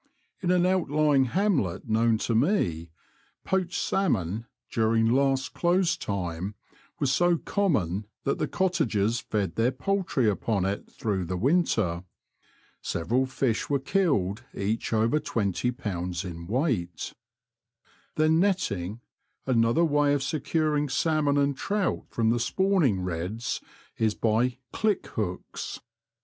In an out lying hamlet known to me, poached salmon, during last close time, was so common that the cottagers fed their poultry upon it through the winter. Several fish were killed each over 20 lbs. in weight. Than netting, another way of securing salmon and trout from the spawning redds is by ^* click" hooks.